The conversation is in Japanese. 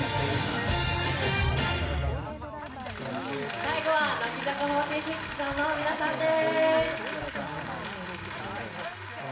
最後は、乃木坂４６の皆さんです！